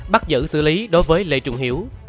bắt giữ xử lý đối với lê trung hiếu